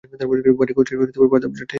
ভারী কাষ্ঠের জীর্ণ কপাটে যাদব লাঠি ঠোকেন।